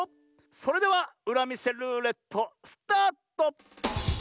それではうらみせルーレットスタート！